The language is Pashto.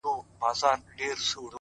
ستړى په گډا سومه ؛چي؛ ستا سومه؛